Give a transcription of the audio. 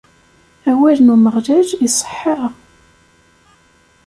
Awal n Umeɣlal iṣeḥḥa.